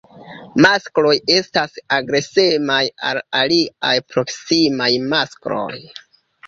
Maskloj estas agresemaj al aliaj proksimaj maskloj.